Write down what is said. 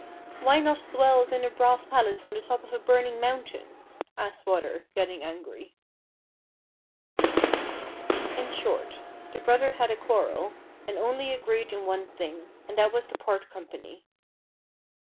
Why not as well as in a brass palace on the top of a burning mountain ?" asked Water, getting angry. In short, the brothers had a quarrel, and only agreed in one thing, and that was to part company.